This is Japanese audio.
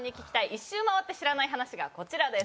１周回って知らない話がこちらです！